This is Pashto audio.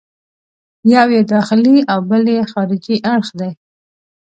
یو یې داخلي او بل یې خارجي اړخ دی.